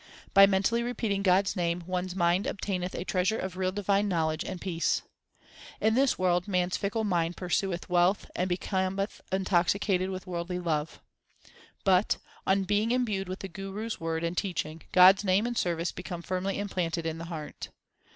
By mentally repeating God s name one s mind obtaineth a treasure of real divine knowledge and peace. In this world man s fickle mind pursueth wealth and becometh intoxicated with worldly love ; But, on being imbued with the Guru s word and teach ing, God s name and service become firmly implanted in the heart.